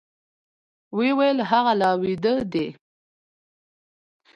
وويل هغه لا ويده دی.